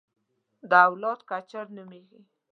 دا اولاد کچر نومېږي.